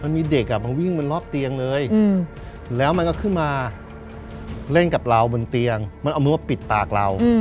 มันเอาเมื่อปิดตากเรา